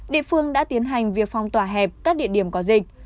địa phương đã tiến hành việc phong tỏa hẹp các địa điểm có dịch